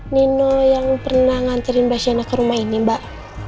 nino yang pernah nganterin mbak shina ke rumah ini mbak